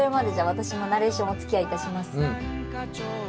私もナレーションおつきあいいたします。